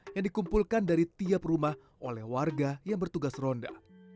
yang dikumpulkan dari tiap rumah oleh warga yang bertugas ronda